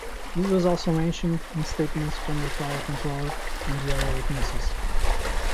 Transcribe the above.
This was also mentioned in statements from the tower controller and other witnesses.